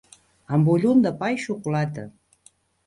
En vull un de pa i xocolata.